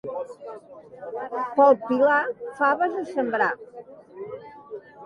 Pel Pilar, faves a sembrar.